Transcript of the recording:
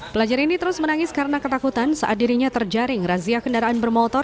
pelajar ini terus menangis karena ketakutan saat dirinya terjaring razia kendaraan bermotor